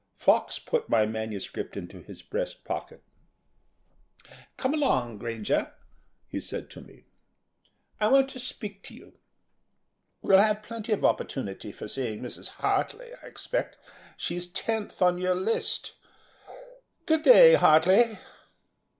Fox put my manuscript into his breast pocket. "Come along, Granger," he said to me, "I want to speak to you. You'll have plenty of opportunity for seeing Mrs. Hartly, I expect. She's tenth on your list. Good day, Hartly."